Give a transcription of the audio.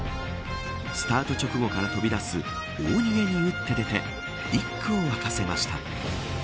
スタート直後から飛び出す大逃げに打って出て１区を沸かせました。